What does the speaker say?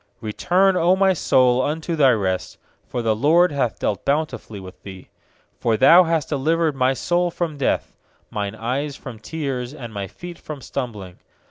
7Return, O my soul, unto thy rest; For the LORD hath dealt bountifully with thee. 8For Thou hast delivered my soul from death, Mine eyes from tears, And my feet from stumbling.